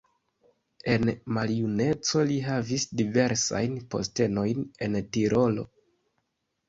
En maljuneco li havis diversajn postenojn en Tirolo.